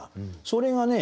それがね